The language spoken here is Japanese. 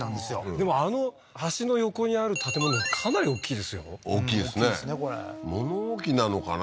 でもあの橋の横にある建物かなりおっきいですよ大きいですね物置なのかな？